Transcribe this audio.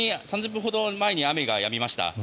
３０分ほど前に雨がやみました。